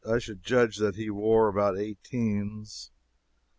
I should judge that he wore about eighteens.